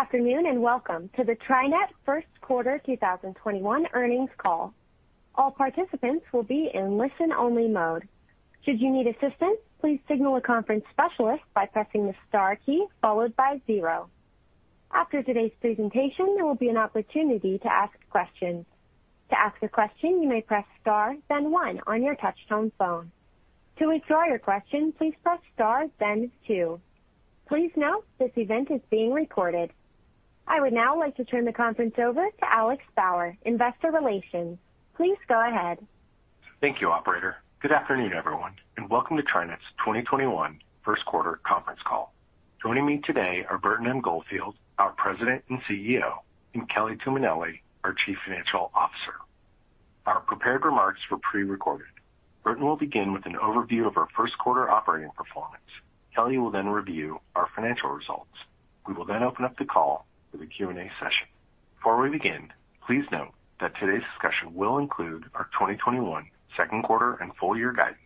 Good afternoon, and welcome to the TriNet first quarter 2021 earnings call. All participants will be in listen only mode. Should you need assistance, please signal a conference specialist by pressing the star key followed by zero. After today's presentation, there will be an opportunity to ask questions. To ask a question, you may press star then one on your touchtone phone. To withdraw your question, please press star then two. Please note this event is being recorded. I would now like to turn the conference over to Alex Bauer, Investor Relations. Please go ahead. Thank you, operator. Good afternoon, everyone, and welcome to TriNet's 2021 first quarter conference call. Joining me today are Burton M. Goldfield, our President and CEO, and Kelly Tuminelli, our Chief Financial Officer. Our prepared remarks were pre-recorded. Burton will begin with an overview of our first quarter operating performance. Kelly will then review our financial results. We will then open up the call for the Q&A session. Before we begin, please note that today's discussion will include our 2021 second quarter and full year guidance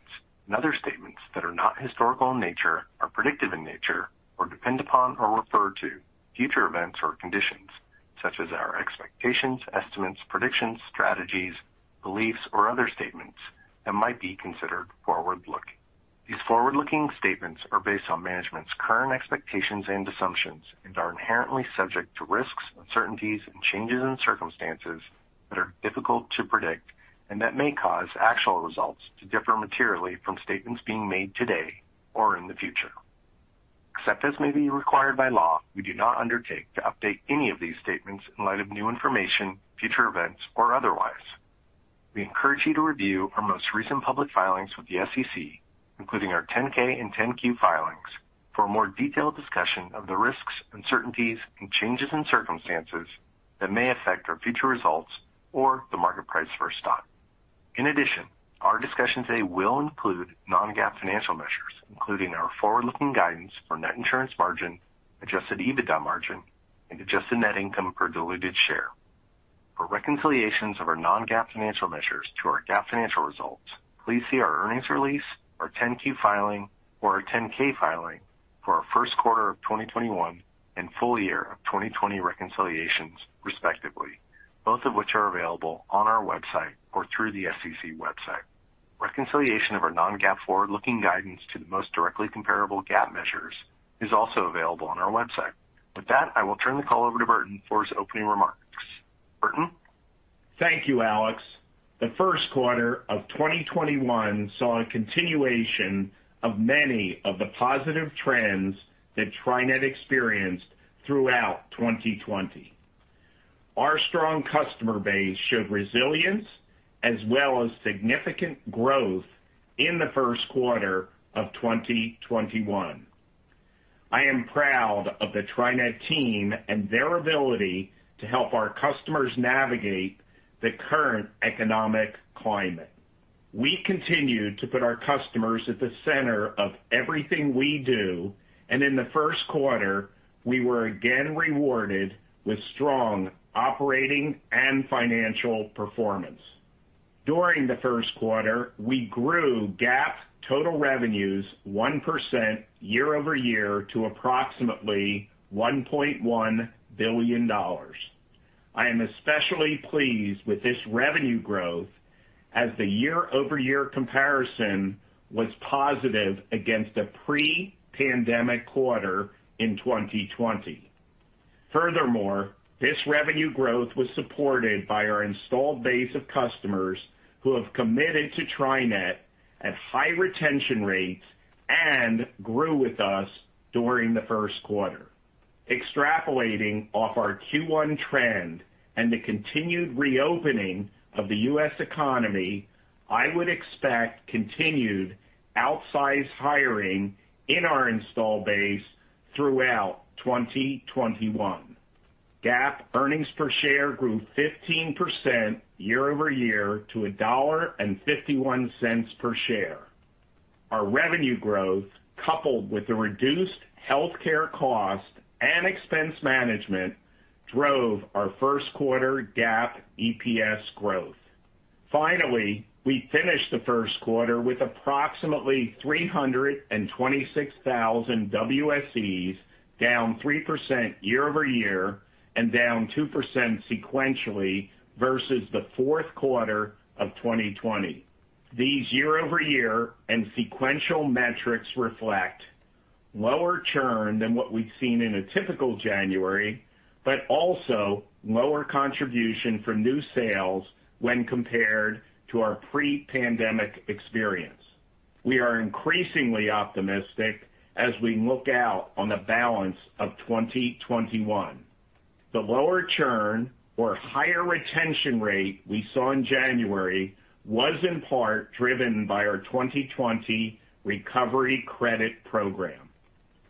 and other statements that are not historical in nature, are predictive in nature, or depend upon or refer to future events or conditions, such as our expectations, estimates, predictions, strategies, beliefs, or other statements that might be considered forward-looking. These forward-looking statements are based on management's current expectations and assumptions and are inherently subject to risks, uncertainties and changes in circumstances that are difficult to predict and that may cause actual results to differ materially from statements being made today or in the future. Except as may be required by law, we do not undertake to update any of these statements in light of new information, future events, or otherwise. We encourage you to review our most recent public filings with the SEC, including our 10-K and 10-Q filings, for a more detailed discussion of the risks, uncertainties, and changes in circumstances that may affect our future results or the market price for our stock. In addition, our discussion today will include non-GAAP financial measures, including our forward-looking guidance for net insurance margin, adjusted EBITDA margin, and adjusted net income per diluted share. For reconciliations of our non-GAAP financial measures to our GAAP financial results, please see our earnings release, our 10-Q filing or our 10-K filing for our first quarter of 2021 and full year of 2020 reconciliations respectively, both of which are available on our website or through the SEC website. Reconciliation of our non-GAAP forward-looking guidance to the most directly comparable GAAP measures is also available on our website. With that, I will turn the call over to Burton for his opening remarks. Burton? Thank you, Alex. The first quarter of 2021 saw a continuation of many of the positive trends that TriNet experienced throughout 2020. Our strong customer base showed resilience as well as significant growth in the first quarter of 2021. I am proud of the TriNet team and their ability to help our customers navigate the current economic climate. We continued to put our customers at the center of everything we do, and in the first quarter, we were again rewarded with strong operating and financial performance. During the first quarter, we grew GAAP total revenues 1% year-over-year to approximately $1.1 billion. I am especially pleased with this revenue growth as the year-over-year comparison was positive against a pre-pandemic quarter in 2020. Furthermore, this revenue growth was supported by our installed base of customers who have committed to TriNet at high retention rates and grew with us during the first quarter. Extrapolating off our Q1 trend and the continued reopening of the U.S. economy, I would expect continued outsized hiring in our install base throughout 2021. GAAP earnings per share grew 15% year-over-year to $1.51 per share. Our revenue growth, coupled with the reduced healthcare cost and expense management, drove our first quarter GAAP EPS growth. Finally, we finished the first quarter with approximately 326,000 WSEs, down 3% year-over-year and down 2% sequentially versus the fourth quarter of 2020. These year-over-year and sequential metrics reflect lower churn than what we've seen in a typical January, but also lower contribution from new sales when compared to our pre-pandemic experience. We are increasingly optimistic as we look out on the balance of 2021. The lower churn or higher retention rate we saw in January was in part driven by our 2020 Recovery Credit program.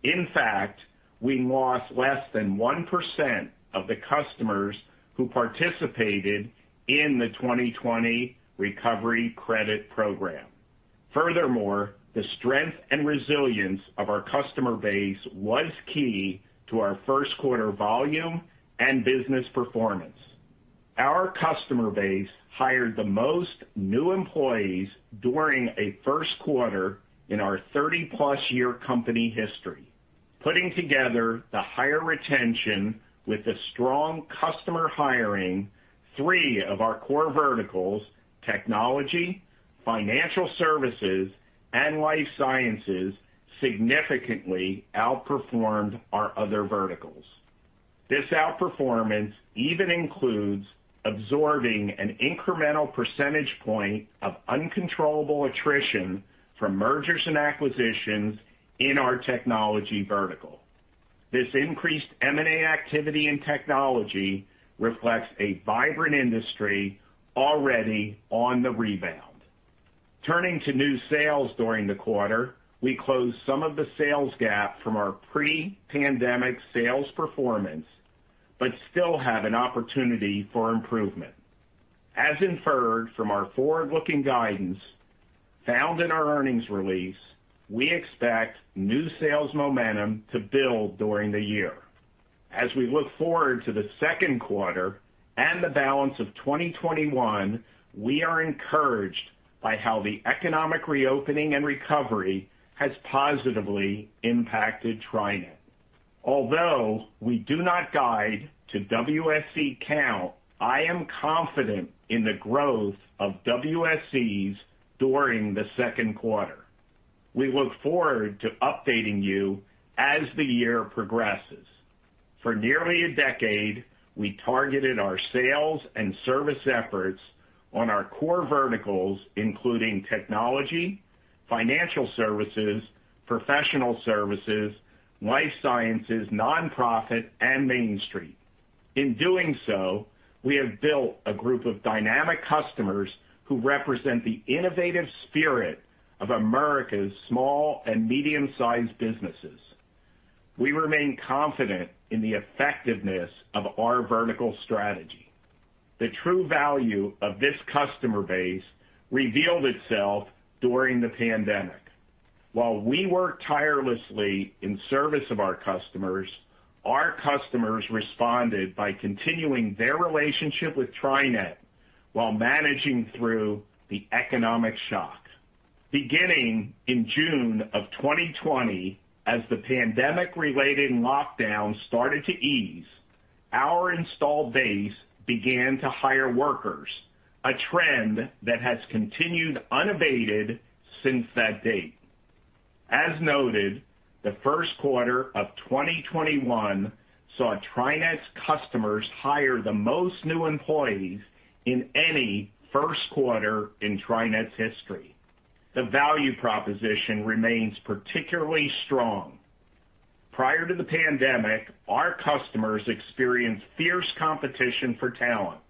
In fact, we lost less than 1% of the customers who participated in the 2020 Recovery Credit program. Furthermore, the strength and resilience of our customer base was key to our first quarter volume and business performance. Our customer base hired the most new employees during a first quarter in our 30+ year company history. Putting together the higher retention with the strong customer hiring, three of our core verticals, technology, financial services, and life sciences, significantly outperformed our other verticals. This outperformance even includes absorbing an incremental percentage point of uncontrollable attrition from mergers and acquisitions in our technology vertical. This increased M&A activity in technology reflects a vibrant industry already on the rebound. Turning to new sales during the quarter, we closed some of the sales gap from our pre-pandemic sales performance, but still have an opportunity for improvement. As inferred from our forward-looking guidance found in our earnings release, we expect new sales momentum to build during the year. As we look forward to the second quarter and the balance of 2021, we are encouraged by how the economic reopening and recovery has positively impacted TriNet. Although we do not guide to WSE count, I am confident in the growth of WSEs during the second quarter. We look forward to updating you as the year progresses. For nearly a decade, we targeted our sales and service efforts on our core verticals, including technology, financial services, professional services, life sciences, non-profit, and Main Street. In doing so, we have built a group of dynamic customers who represent the innovative spirit of America's small and medium-sized businesses. We remain confident in the effectiveness of our vertical strategy. The true value of this customer base revealed itself during the pandemic. While we worked tirelessly in service of our customers, our customers responded by continuing their relationship with TriNet while managing through the economic shock. Beginning in June of 2020, as the pandemic-related lockdowns started to ease, our installed base began to hire workers, a trend that has continued unabated since that date. As noted, the first quarter of 2021 saw TriNet's customers hire the most new employees in any first quarter in TriNet's history. The value proposition remains particularly strong. Prior to the pandemic, our customers experienced fierce competition for talent.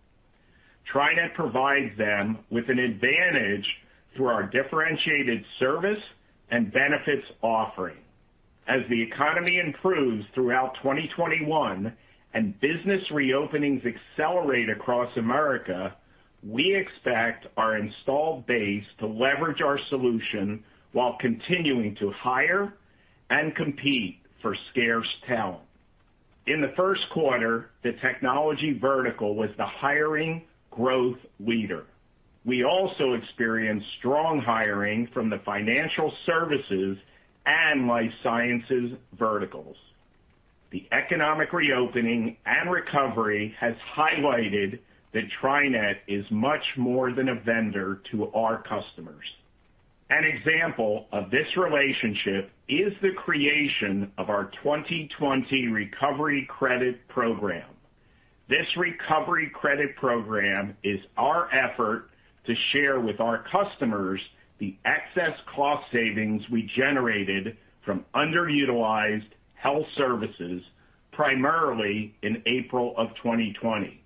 TriNet provides them with an advantage through our differentiated service and benefits offering. As the economy improves throughout 2021 and business reopenings accelerate across America, we expect our installed base to leverage our solution while continuing to hire and compete for scarce talent. In the first quarter, the technology vertical was the hiring growth leader. We also experienced strong hiring from the financial services and life sciences verticals. The economic reopening and recovery has highlighted that TriNet is much more than a vendor to our customers. An example of this relationship is the creation of our 2020 Recovery Credit program. This Recovery Credit program is our effort to share with our customers the excess cost savings we generated from underutilized health services, primarily in April of 2020.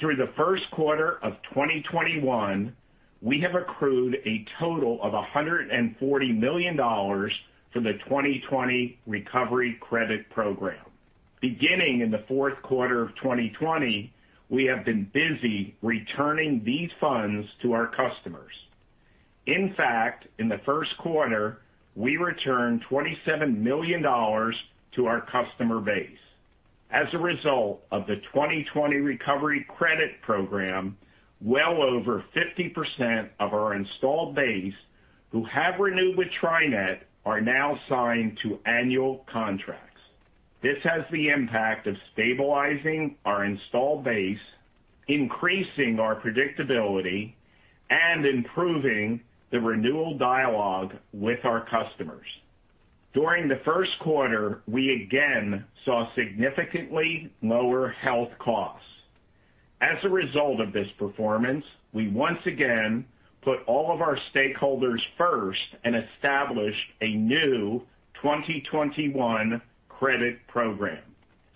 Through the first quarter of 2021, we have accrued a total of $140 million for the 2020 Recovery Credit program. Beginning in the fourth quarter of 2020, we have been busy returning these funds to our customers. In fact, in the first quarter, we returned $27 million to our customer base. As a result of the 2020 Recovery Credit program, well over 50% of our installed base who have renewed with TriNet are now signed to annual contracts. This has the impact of stabilizing our installed base, increasing our predictability, and improving the renewal dialogue with our customers. During the first quarter, we again saw significantly lower health costs. As a result of this performance, we once again put all of our stakeholders first and established a new 2021 credit program.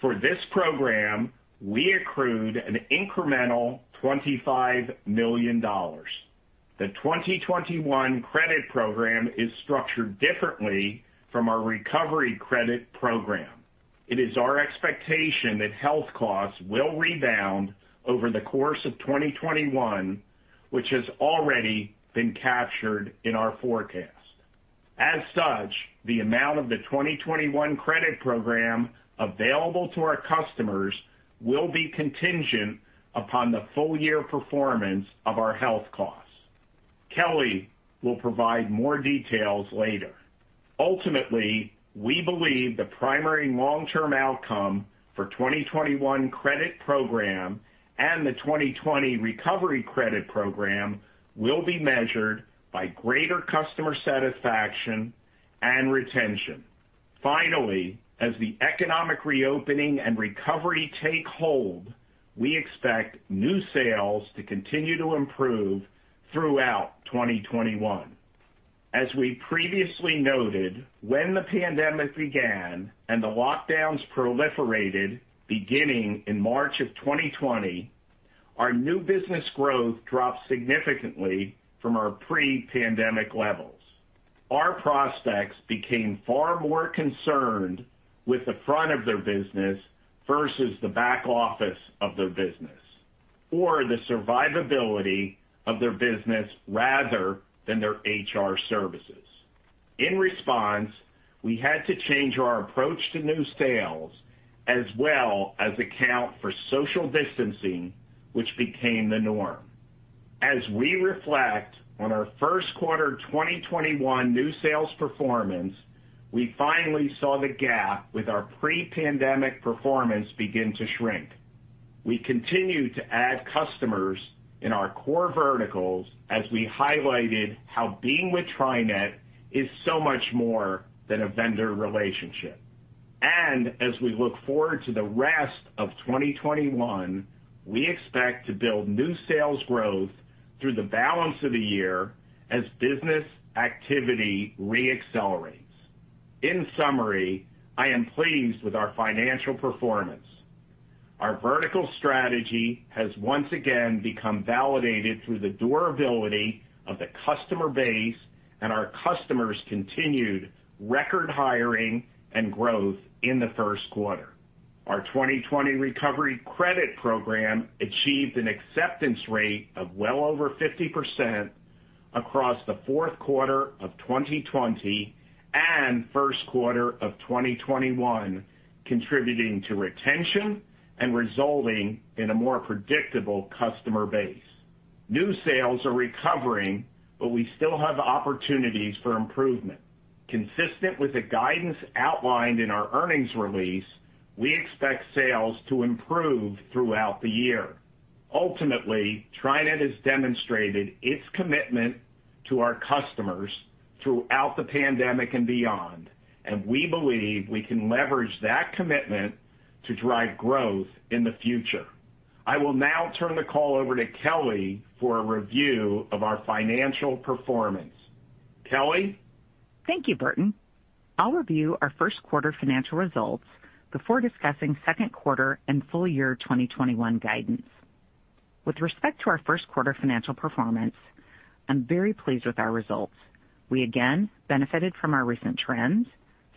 For this program, we accrued an incremental $25 million. The 2021 credit program is structured differently from our Recovery Credit program. It is our expectation that health costs will rebound over the course of 2021, which has already been captured in our forecast. As such, the amount of the 2021 credit program available to our customers will be contingent upon the full year performance of our health costs. Kelly will provide more details later. Ultimately, we believe the primary long-term outcome for 2021 credit program and the 2020 Recovery Credit program will be measured by greater customer satisfaction and retention. Finally, as the economic reopening and recovery take hold, we expect new sales to continue to improve throughout 2021. As we previously noted, when the pandemic began and the lockdowns proliferated beginning in March of 2020, our new business growth dropped significantly from our pre-pandemic levels. Our prospects became far more concerned with the front of their business versus the back office of their business, or the survivability of their business rather than their HR services. In response, we had to change our approach to new sales as well as account for social distancing, which became the norm. As we reflect on our first quarter 2021 new sales performance, we finally saw the gap with our pre-pandemic performance begin to shrink. We continue to add customers in our core verticals as we highlighted how being with TriNet is so much more than a vendor relationship. As we look forward to the rest of 2021, we expect to build new sales growth through the balance of the year as business activity re-accelerates. In summary, I am pleased with our financial performance. Our vertical strategy has once again become validated through the durability of the customer base and our customers' continued record hiring and growth in the first quarter. Our 2020 Recovery Credit program achieved an acceptance rate of well over 50% across the fourth quarter of 2020 and first quarter of 2021, contributing to retention and resulting in a more predictable customer base. New sales are recovering, but we still have opportunities for improvement. Consistent with the guidance outlined in our earnings release, we expect sales to improve throughout the year. Ultimately, TriNet has demonstrated its commitment to our customers throughout the pandemic and beyond, and we believe we can leverage that commitment to drive growth in the future. I will now turn the call over to Kelly for a review of our financial performance. Kelly? Thank you, Burton. I'll review our first quarter financial results before discussing second quarter and full year 2021 guidance. With respect to our first quarter financial performance, I'm very pleased with our results. We again benefited from our recent trends,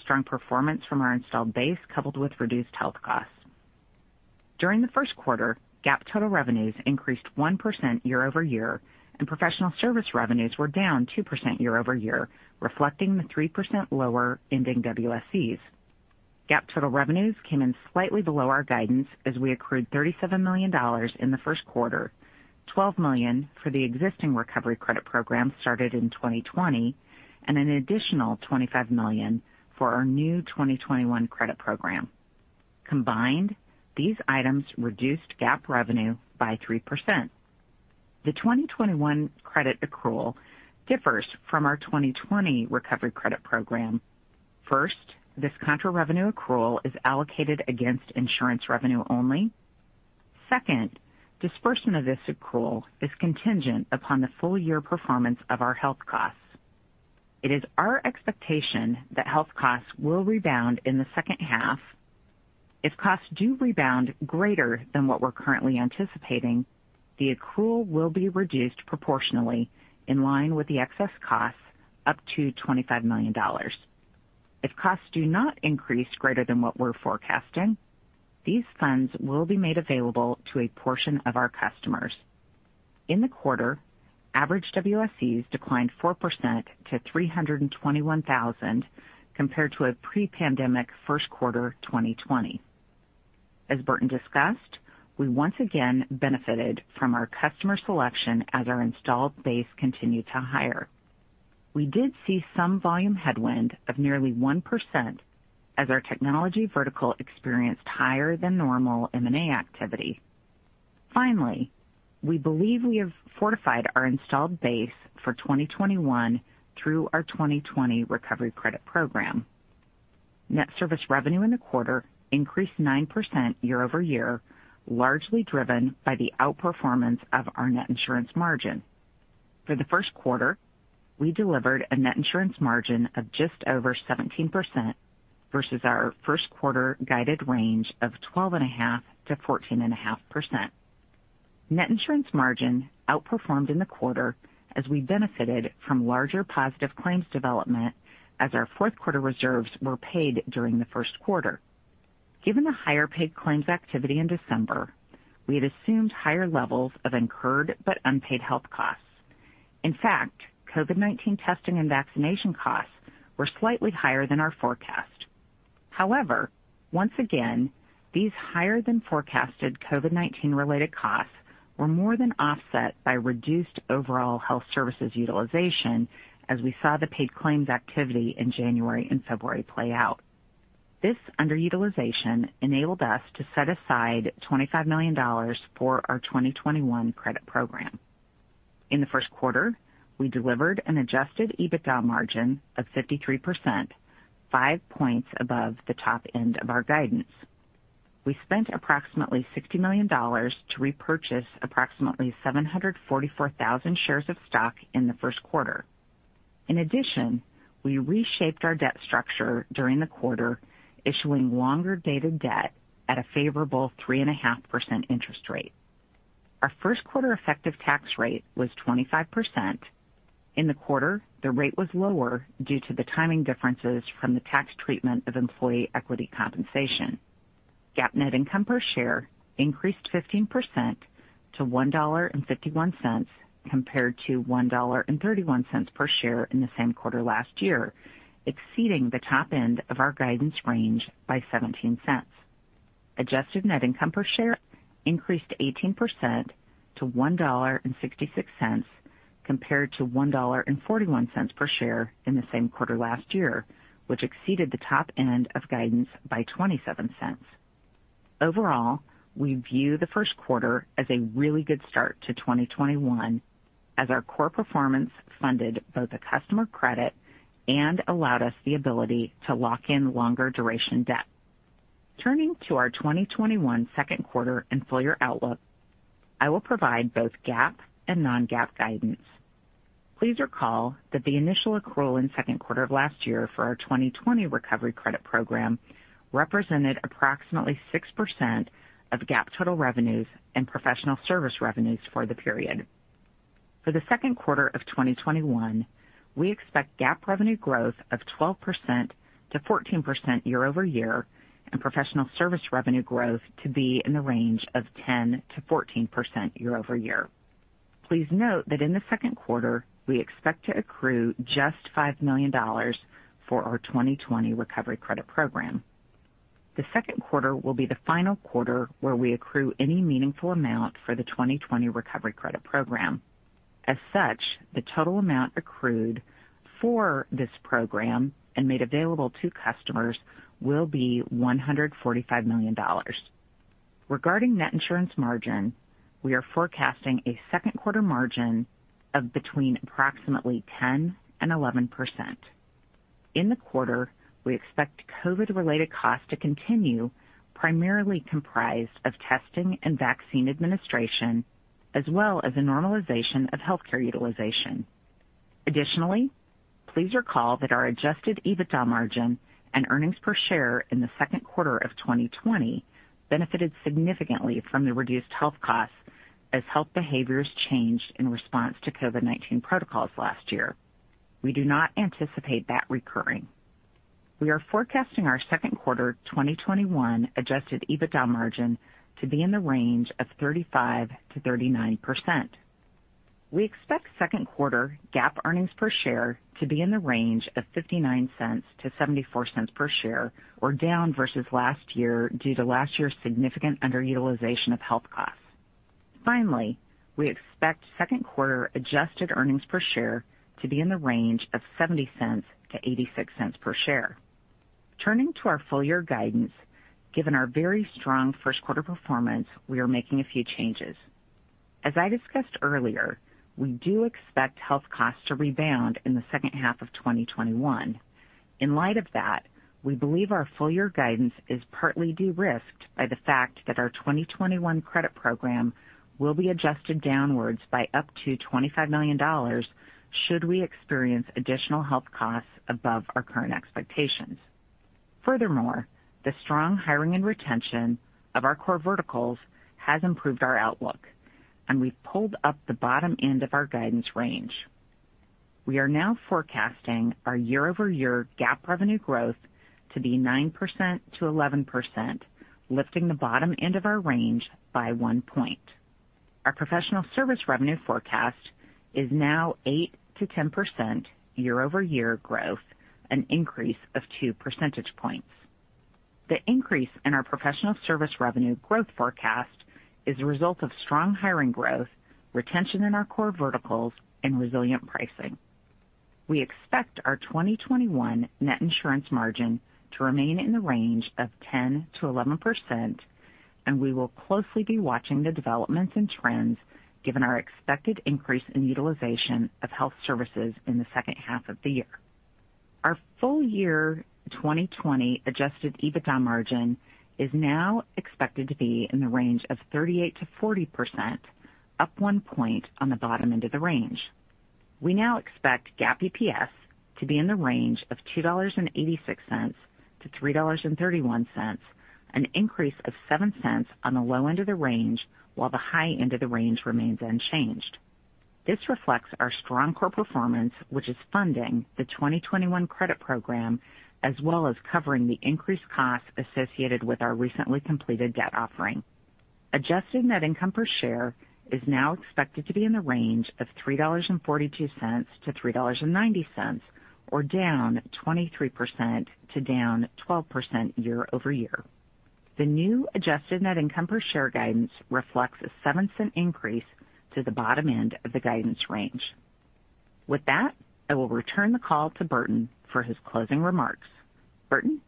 strong performance from our installed base, coupled with reduced health costs. During the first quarter, GAAP total revenues increased 1% year-over-year, and professional service revenues were down 2% year-over-year, reflecting the 3% lower ending WSEs. GAAP total revenues came in slightly below our guidance as we accrued $37 million in the first quarter, $12 million for the existing Recovery Credit program started in 2020, and an additional $25 million for our new 2021 credit program. Combined, these items reduced GAAP revenue by 3%. The 2021 credit accrual differs from our 2020 Recovery Credit program. First, this contra revenue accrual is allocated against insurance revenue only. Second, dispersion of this accrual is contingent upon the full year performance of our health costs. It is our expectation that health costs will rebound in the second half. If costs do rebound greater than what we're currently anticipating, the accrual will be reduced proportionally in line with the excess costs up to $25 million. If costs do not increase greater than what we're forecasting, these funds will be made available to a portion of our customers. In the quarter, average WSEs declined 4% to 321,000 compared to a pre-pandemic first quarter 2020. As Burton discussed, we once again benefited from our customer selection as our installed base continued to hire. We did see some volume headwind of nearly 1% as our technology vertical experienced higher than normal M&A activity. Finally, we believe we have fortified our installed base for 2021 through our 2020 Recovery Credit program. Net service revenue in the quarter increased 9% year-over-year, largely driven by the outperformance of our net insurance margin. For the first quarter, we delivered a net insurance margin of just over 17% versus our first quarter guided range of 12.5%-14.5%. Net insurance margin outperformed in the quarter as we benefited from larger positive claims development as our fourth quarter reserves were paid during the first quarter. Given the higher paid claims activity in December, we had assumed higher levels of incurred but unpaid health costs. In fact, COVID-19 testing and vaccination costs were slightly higher than our forecast. However, once again, these higher than forecasted COVID-19 related costs were more than offset by reduced overall health services utilization, as we saw the paid claims activity in January and February play out. This underutilization enabled us to set aside $25 million for our 2021 credit program. In the first quarter, we delivered an adjusted EBITDA margin of 53%, five points above the top end of our guidance. We spent approximately $60 million to repurchase approximately 744,000 shares of stock in the first quarter. In addition, we reshaped our debt structure during the quarter, issuing longer-dated debt at a favorable 3.5% interest rate. Our first quarter effective tax rate was 25%. In the quarter, the rate was lower due to the timing differences from the tax treatment of employee equity compensation. GAAP net income per share increased 15% to $1.51 compared to $1.31 per share in the same quarter last year, exceeding the top end of our guidance range by $0.17. Adjusted net income per share increased 18% to $1.66 compared to $1.41 per share in the same quarter last year, which exceeded the top end of guidance by $0.27. Overall, we view the first quarter as a really good start to 2021 as our core performance funded both a customer credit and allowed us the ability to lock in longer duration debt. Turning to our 2021 second quarter and full year outlook, I will provide both GAAP and non-GAAP guidance. Please recall that the initial accrual in second quarter of last year for our 2020 Recovery Credit program represented approximately 6% of GAAP total revenues and professional service revenues for the period. For the second quarter of 2021, we expect GAAP revenue growth of 12%-14% year-over-year, and professional service revenue growth to be in the range of 10%-14% year-over-year. Please note that in the second quarter, we expect to accrue just $5 million for our 2020 Recovery Credit program. The second quarter will be the final quarter where we accrue any meaningful amount for the 2020 Recovery Credit program. As such, the total amount accrued for this program and made available to customers will be $145 million. Regarding net insurance margin, we are forecasting a second quarter margin of between approximately 10% and 11%. In the quarter, we expect COVID-19 related costs to continue, primarily comprised of testing and vaccine administration, as well as the normalization of healthcare utilization. Additionally, please recall that our adjusted EBITDA margin and earnings per share in the second quarter of 2020 benefited significantly from the reduced health costs as health behaviors changed in response to COVID-19 protocols last year. We do not anticipate that recurring. We are forecasting our second quarter 2021 adjusted EBITDA margin to be in the range of 35%-39%. We expect second quarter GAAP earnings per share to be in the range of $0.59-$0.74 per share, or down versus last year due to last year's significant underutilization of health costs. Finally, we expect second quarter adjusted earnings per share to be in the range of $0.70-$0.86 per share. Turning to our full year guidance, given our very strong first quarter performance, we are making a few changes. As I discussed earlier, we do expect health costs to rebound in the second half of 2021. In light of that, we believe our full year guidance is partly de-risked by the fact that our 2021 credit program will be adjusted downwards by up to $25 million should we experience additional health costs above our current expectations. Furthermore, the strong hiring and retention of our core verticals has improved our outlook, and we've pulled up the bottom end of our guidance range. We are now forecasting our year-over-year GAAP revenue growth to be 9%-11%, lifting the bottom end of our range by 1 point. Our professional service revenue forecast is now 8%-10% year-over-year growth, an increase of 2 percentage points. The increase in our professional service revenue growth forecast is a result of strong hiring growth, retention in our core verticals, and resilient pricing. We expect our 2021 net insurance margin to remain in the range of 10%-11%, and we will closely be watching the developments and trends given our expected increase in utilization of health services in the second half of the year. Our full year 2020 adjusted EBITDA margin is now expected to be in the range of 38%-40%, up one point on the bottom end of the range. We now expect GAAP EPS to be in the range of $2.86-$3.31, an increase of $0.07 on the low end of the range, while the high end of the range remains unchanged. This reflects our strong core performance, which is funding the 2021 credit program, as well as covering the increased cost associated with our recently completed debt offering. Adjusted net income per share is now expected to be in the range of $3.42-$3.90, or down 23% to down 12% year-over-year. The new adjusted net income per share guidance reflects a $0.07 increase to the bottom end of the guidance range. With that, I will return the call to Burton for his closing remarks. Burton?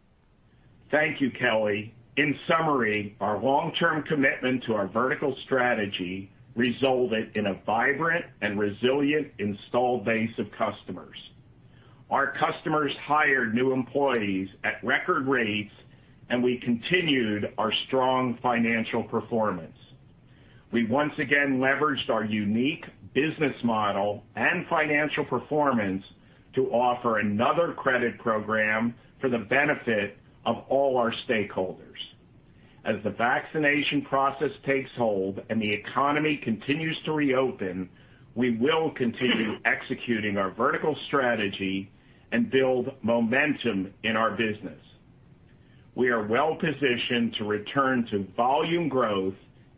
Thank you, Kelly. In summary, our long-term commitment to our vertical strategy resulted in a vibrant and resilient installed base of customers. Our customers hired new employees at record rates, and we continued our strong financial performance. We once again leveraged our unique business model and financial performance to offer another credit program for the benefit of all our stakeholders. As the vaccination process takes hold and the economy continues to reopen, we will continue executing our vertical strategy and build momentum in our business. We are well-positioned to return to volume growth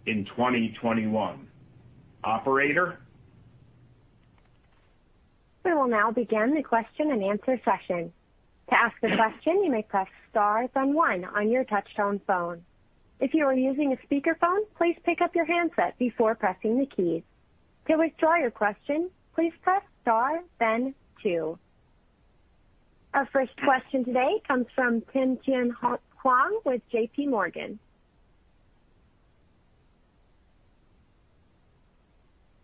in 2021. Operator? We will now begin the question-and-answer session. To ask a question, you may press star then one on your touch-tone phone. If you are using a speakerphone, please pick up your handset before pressing the keys. To withdraw your question, please press star then two. Our first question today comes from Tien-Tsin Huang with JPMorgan.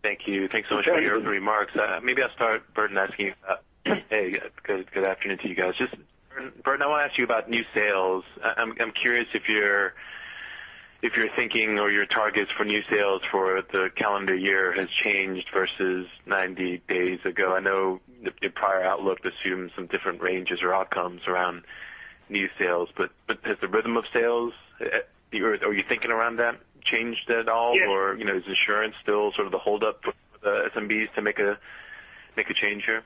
Thank you. Thanks so much for your remarks. Maybe I'll start, Burton. Hey, good afternoon to you guys. Just, Burton, I want to ask you about new sales. I'm curious if your thinking or your targets for new sales for the calendar year has changed versus 90 days ago. I know the prior outlook assumes some different ranges or outcomes around new sales. Has the rhythm of sales, are you thinking around that changed at all? Yeah. Is insurance still sort of the holdup for the SMBs to make a change here?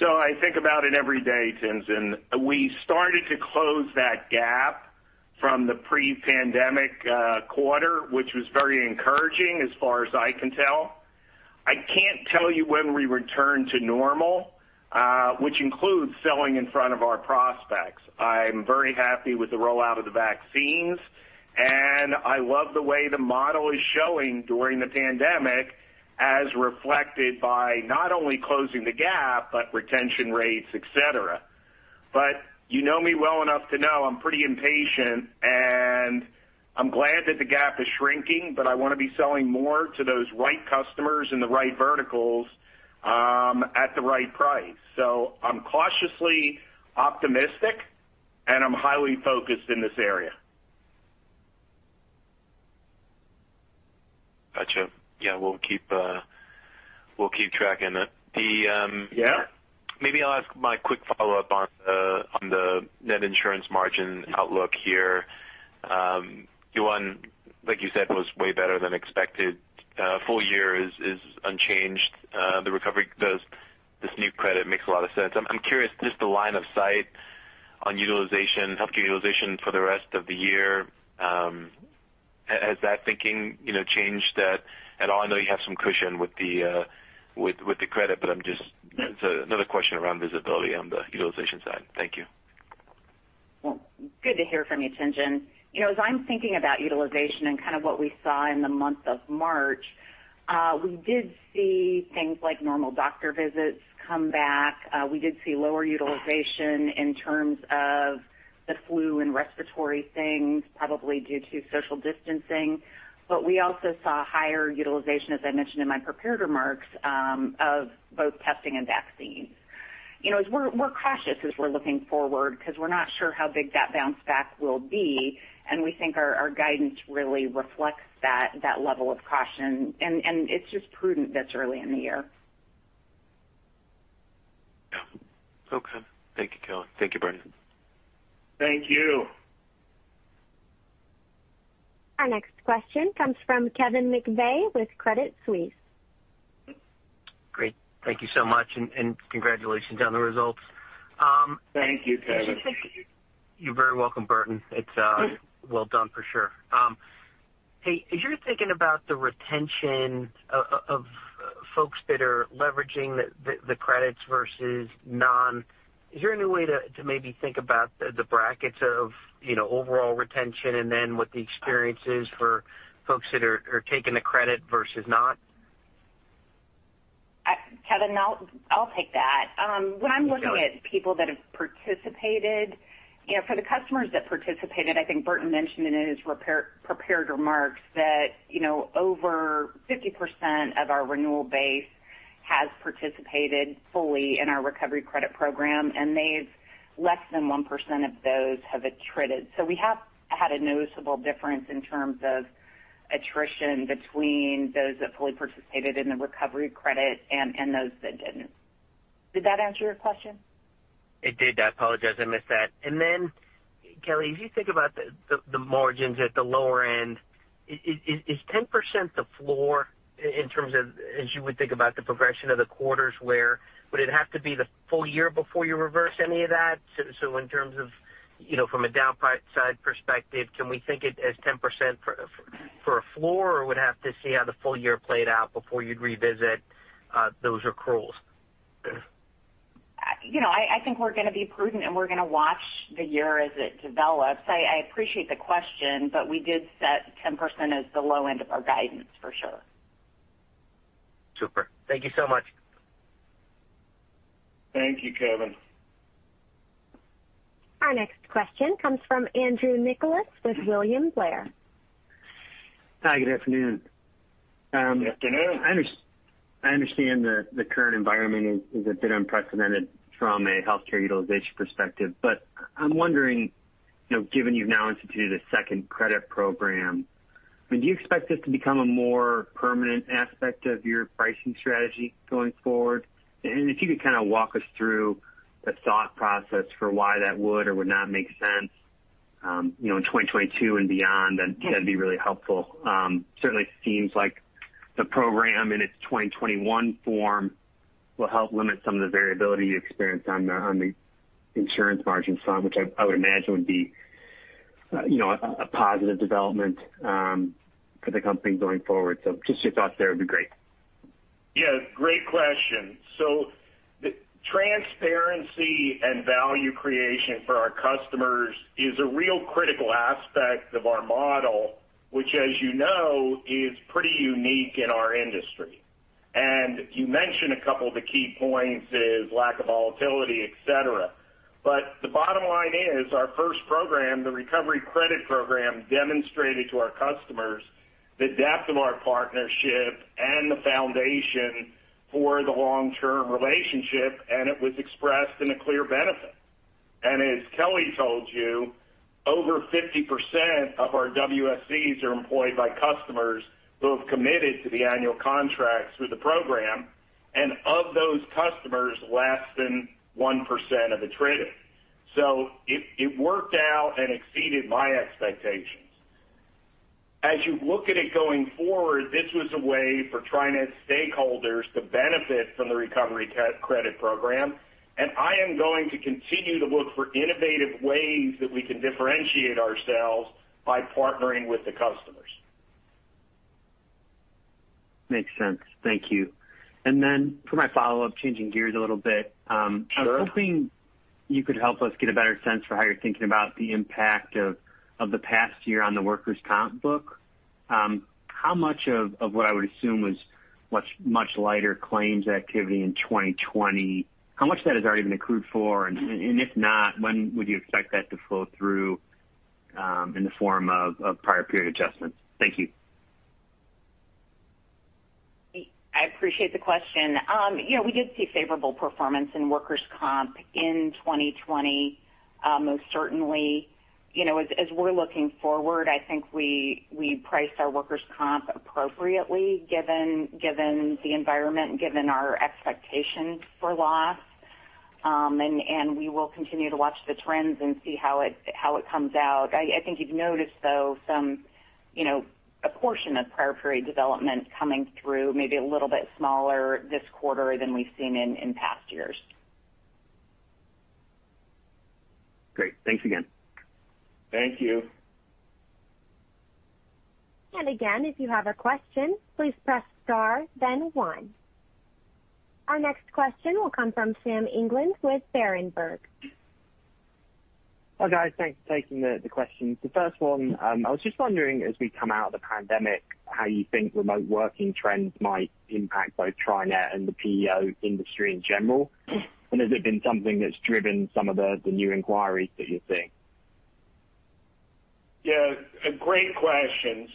I think about it every day, Tien-Tsin Huang. We started to close that gap from the pre-pandemic quarter, which was very encouraging as far as I can tell. I can't tell you when we return to normal, which includes selling in front of our prospects. I'm very happy with the rollout of the vaccines, and I love the way the model is showing during the pandemic, as reflected by not only closing the gap but retention rates, et cetera. You know me well enough to know I'm pretty impatient, and I'm glad that the gap is shrinking, but I want to be selling more to those right customers in the right verticals at the right price. I'm cautiously optimistic, and I'm highly focused in this area. Got you. Yeah, we'll keep tracking it. Yeah. Maybe I'll ask my quick follow-up on the net insurance margin outlook here. Q1, like you said, was way better than expected. Full year is unchanged. The recovery, this new credit makes a lot of sense. I'm curious, just the line of sight on healthcare utilization for the rest of the year. Has that thinking changed at all? I know you have some cushion with the credit, but it's another question around visibility on the utilization side. Thank you. Well, good to hear from you, Tien-Tsin. As I'm thinking about utilization and kind of what we saw in the month of March, we did see things like normal doctor visits come back. We did see lower utilization in terms of the flu and respiratory things, probably due to social distancing. We also saw higher utilization, as I mentioned in my prepared remarks, of both testing and vaccines. We're cautious as we're looking forward because we're not sure how big that bounce back will be, and we think our guidance really reflects that level of caution, and it's just prudent this early in the year. Yeah. Okay. Thank you, Kelly. Thank you, Burton. Thank you. Our next question comes from Kevin McVeigh with Credit Suisse. Great. Thank you so much, and congratulations on the results. Thank you, Kevin. You're very welcome, Burton. It's well done for sure. Hey, as you're thinking about the retention of folks that are leveraging the credits versus non, is there any way to maybe think about the brackets of overall retention and then what the experience is for folks that are taking the credit versus not? Kevin, I'll take that. Okay. When I'm looking at people that have participated, for the customers that participated, I think Burton mentioned it in his prepared remarks that over 50% of our renewal base has participated fully in our Recovery Credit program, and less than 1% of those have attrited. We have had a noticeable difference in terms of attrition between those that fully participated in the Recovery Credit and those that didn't. Did that answer your question? It did. I apologize, I missed that. Kelly, as you think about the margins at the lower end, is 10% the floor in terms of as you would think about the progression of the quarters where would it have to be the full year before you reverse any of that? In terms of from a downside perspective, can we think it as 10% for a floor, or would have to see how the full year played out before you'd revisit those accruals? I think we're going to be prudent, and we're going to watch the year as it develops. I appreciate the question, but we did set 10% as the low end of our guidance for sure. Super. Thank you so much. Thank you, Kevin. Our next question comes from Andrew Nicholas with William Blair. Hi, good afternoon. Good afternoon. I understand the current environment is a bit unprecedented from a healthcare utilization perspective, but I'm wondering, given you've now instituted a second credit program, do you expect this to become a more permanent aspect of your pricing strategy going forward? If you could kind of walk us through the thought process for why that would or would not make sense, in 2022 and beyond, that'd be really helpful. Certainly seems like the program in its 2021 form will help limit some of the variability you experience on the insurance margin side, which I would imagine would be a positive development for the company going forward. Just your thoughts there would be great. Yeah, great question. The transparency and value creation for our customers is a real critical aspect of our model, which as you know, is pretty unique in our industry. You mentioned a couple of the key points, is lack of volatility, et cetera. The bottom line is, our first program, the Recovery Credit program, demonstrated to our customers the depth of our partnership and the foundation for the long-term relationship, and it was expressed in a clear benefit. As Kelly told you, over 50% of our WSEs are employed by customers who have committed to the annual contracts through the program, and of those customers, less than 1% have attrited. It worked out and exceeded my expectations. As you look at it going forward, this was a way for TriNet stakeholders to benefit from the Recovery Credit program, I am going to continue to look for innovative ways that we can differentiate ourselves by partnering with the customers. Makes sense. Thank you. For my follow-up, changing gears a little bit. Sure. I was hoping you could help us get a better sense for how you're thinking about the impact of the past year on the workers' comp book. How much of what I would assume was much lighter claims activity in 2020, how much of that has already been accrued for? If not, when would you expect that to flow through, in the form of prior period adjustments? Thank you. I appreciate the question. We did see favorable performance in workers' comp in 2020. Most certainly, as we're looking forward, I think we priced our workers' comp appropriately given the environment and given our expectation for loss. We will continue to watch the trends and see how it comes out. I think you've noticed, though, a portion of prior period development coming through, maybe a little bit smaller this quarter than we've seen in past years. Great. Thanks again. Thank you. Again, if you have a question, please press star then one. Our next question will come from Sam England with Berenberg. Hi, guys. Thanks for taking the questions. The first one, I was just wondering, as we come out of the pandemic, how you think remote working trends might impact both TriNet and the PEO industry in general. Has it been something that's driven some of the new inquiries that you're seeing? A great question.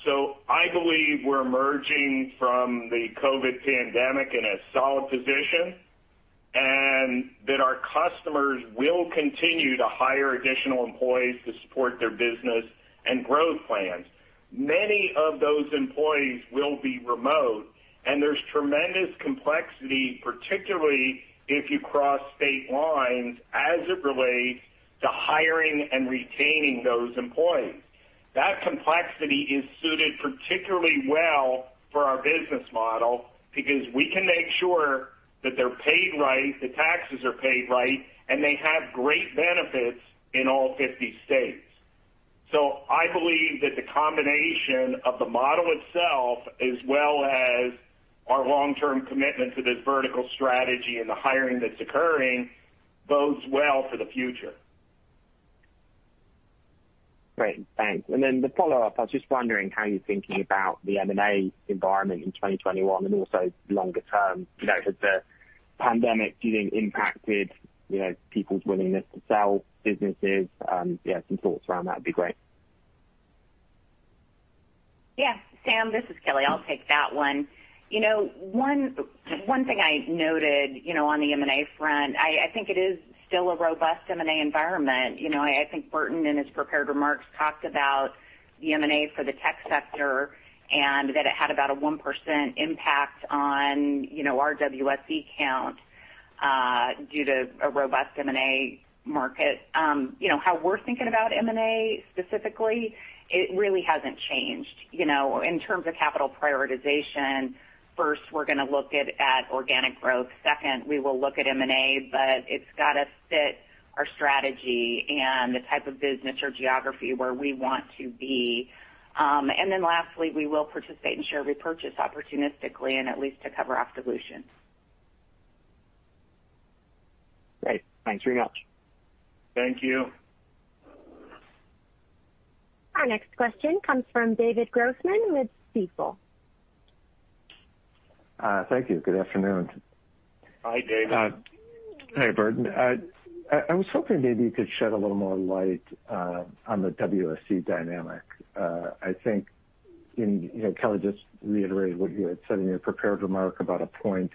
I believe we're emerging from the COVID-19 pandemic in a solid position, and that our customers will continue to hire additional employees to support their business and growth plans. Many of those employees will be remote, and there's tremendous complexity, particularly if you cross state lines as it relates to hiring and retaining those employees. That complexity is suited particularly well for our business model because we can make sure that they're paid right, the taxes are paid right, and they have great benefits in all 50 states. I believe that the combination of the model itself, as well as our long-term commitment to this vertical strategy and the hiring that's occurring, bodes well for the future. Great. Thanks. The follow-up, I was just wondering how you're thinking about the M&A environment in 2021 and also longer term. Has the pandemic, do you think, impacted people's willingness to sell businesses? Yeah, some thoughts around that would be great. Yeah. Sam, this is Kelly. I'll take that one. One thing I noted on the M&A front, I think it is still a robust M&A environment. I think Burton in his prepared remarks talked about the M&A for the tech sector and that it had about a 1% impact on our WSE count. Due to a robust M&A market. How we're thinking about M&A specifically, it really hasn't changed. In terms of capital prioritization, first, we're going to look at organic growth. Second, we will look at M&A, but it's got to fit our strategy and the type of business or geography where we want to be. Lastly, we will participate in share repurchase opportunistically and at least to cover our dilution. Great. Thanks very much. Thank you. Our next question comes from David Grossman with Stifel. Thank you. Good afternoon. Hi, Dave. Hey, Burton. I was hoping maybe you could shed a little more light on the WSE dynamic. I think Kelly just reiterated what you had said in your prepared remark about a point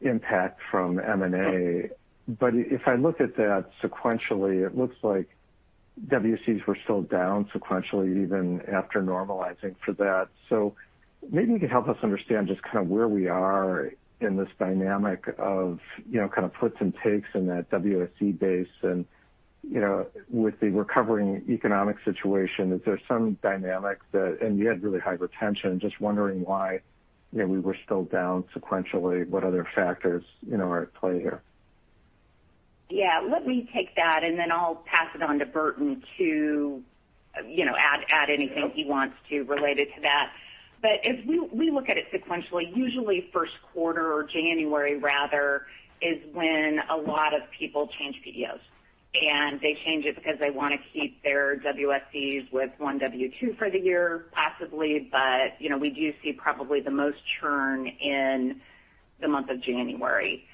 impact from M&A. If I look at that sequentially, it looks like WSEs were still down sequentially, even after normalizing for that. Maybe you could help us understand just kind of where we are in this dynamic of kind of puts and takes in that WSE base and, with the recovering economic situation, is there some dynamic, and you had really high retention, just wondering why we were still down sequentially. What other factors are at play here? Yeah. Let me take that, then I'll pass it on to Burton to add anything he wants to related to that. As we look at it sequentially, usually first quarter or January rather, is when a lot of people change PEOs. They change it because they want to keep their WSEs with one W2 for the year, possibly. We do see probably the most churn in the month of January.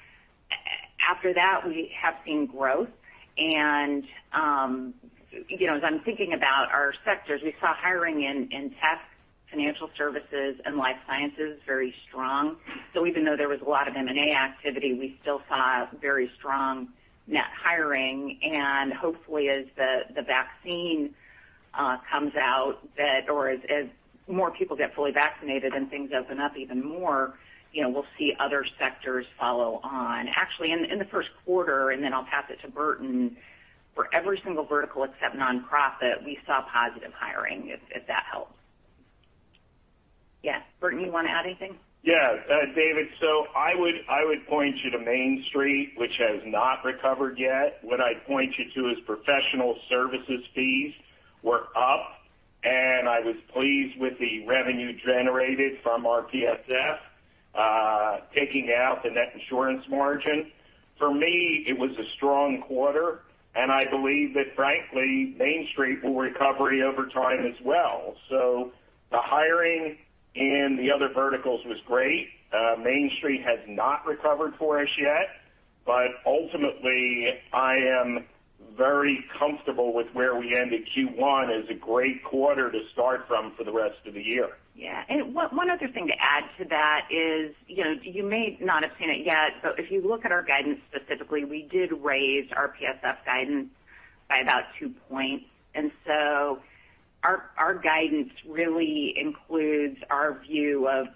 After that, we have seen growth. As I'm thinking about our sectors, we saw hiring in tech, financial services, and life sciences very strong. Even though there was a lot of M&A activity, we still saw very strong net hiring. Hopefully as the vaccine comes out or as more people get fully vaccinated and things open up even more, we'll see other sectors follow on. Actually, in the first quarter, and then I'll pass it to Burton, for every single vertical except nonprofit, we saw positive hiring, if that helps. Yeah. Burton, you want to add anything? Yeah. David, I would point you to Main Street, which has not recovered yet. What I'd point you to is professional services fees were up, and I was pleased with the revenue generated from our PSF, taking out the net insurance margin. For me, it was a strong quarter, and I believe that frankly, Main Street will recovery over time as well. The hiring in the other verticals was great. Main Street has not recovered for us yet, but ultimately, I am very comfortable with where we ended Q1 as a great quarter to start from for the rest of the year. Yeah. One other thing to add to that is, you may not have seen it yet, but if you look at our guidance specifically, we did raise our PSF guidance by about two points. Our guidance really includes our view of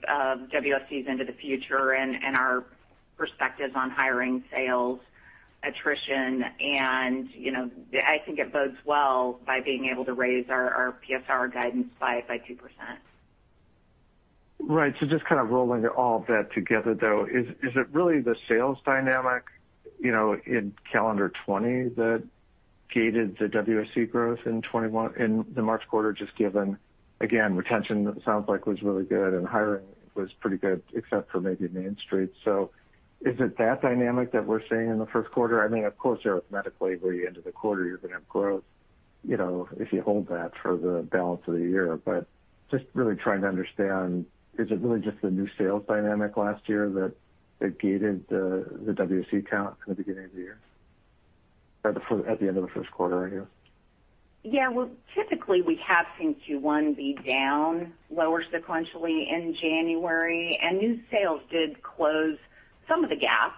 WSEs into the future and our perspectives on hiring, sales, attrition. I think it bodes well by being able to raise our PSR guidance by 2%. Right. Just kind of rolling all that together, though, is it really the sales dynamic in calendar 2020 that gated the WSE growth in the March quarter, just given, again, retention it sounds like was really good and hiring was pretty good except for maybe Main Street. Is it that dynamic that we're seeing in the first quarter? I mean, of course, you're mathematically into the quarter, you're going to have growth if you hold that for the balance of the year. Just really trying to understand, is it really just the new sales dynamic last year that gated the WSE count in the beginning of the year or at the end of the first quarter here? Yeah. Well, typically we have seen Q1 be down lower sequentially in January. New sales did close some of the gap.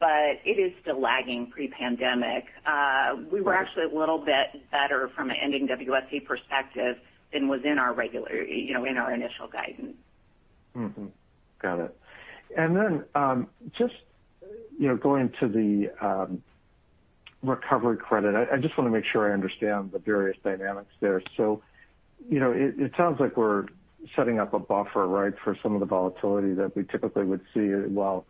It is still lagging pre-pandemic. We were actually a little bit better from an ending WSE perspective than was in our initial guidance. Got it. Just going to the recovery credit, I just want to make sure I understand the various dynamics there. It sounds like we're setting up a buffer for some of the volatility that we typically would see while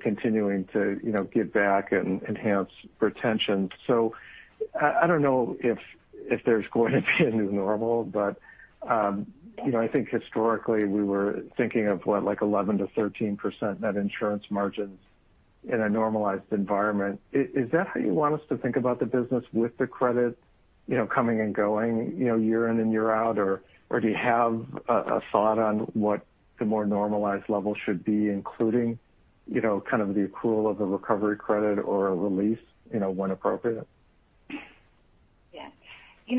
continuing to give back and enhance retention. I don't know if there's going to be a new normal, but I think historically we were thinking of what, like 11%-13% net insurance margins in a normalized environment. Is that how you want us to think about the business with the credit coming and going year in and year out? Or do you have a thought on what the more normalized level should be, including kind of the accrual of the recovery credit or a release when appropriate? Yeah.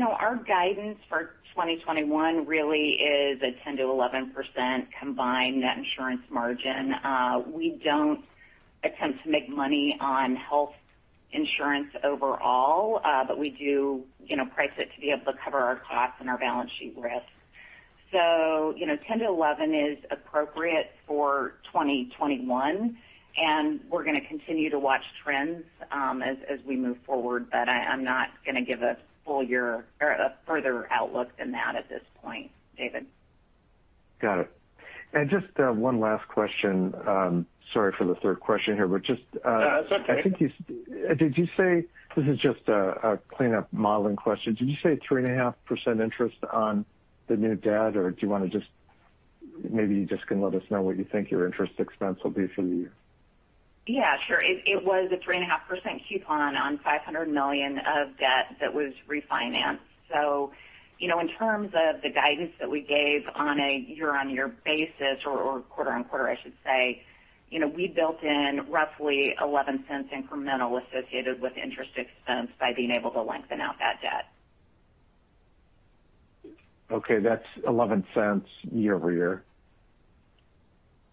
Our guidance for 2021 really is a 10%-11% combined net insurance margin. We don't attempt to make money on health insurance overall, but we do price it to be able to cover our costs and our balance sheet risks. 10%-11% is appropriate for 2021, and we're going to continue to watch trends as we move forward. I'm not going to give a further outlook than that at this point, David. Got it. Just one last question. Sorry for the third question here. No, that's okay. This is just a cleanup modeling question. Did you say 3.5% interest on the new debt or do you want to just maybe you just can let us know what you think your interest expense will be for the year? Yeah, sure. It was a 3.5% coupon on $500 million of debt that was refinanced. In terms of the guidance that we gave on a year-on-year basis or quarter-on-quarter, I should say, we built in roughly $0.11 incremental associated with interest expense by being able to lengthen out that debt. Okay. That's $0.11 year-over-year?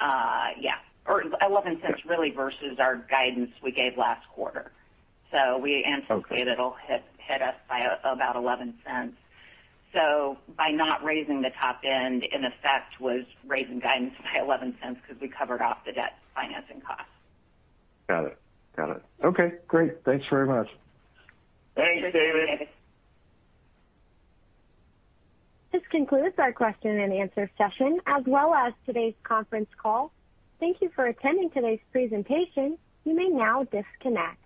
Yeah. $0.11 really versus our guidance we gave last quarter. We anticipate it'll hit us by about $0.11. By not raising the top end in effect was raising guidance by $0.11 because we covered off the debt financing cost. Got it. Okay, great. Thanks very much. Thanks, David. This concludes our question-and-answer session as well as today's conference call. Thank you for attending today's presentation. You may now disconnect.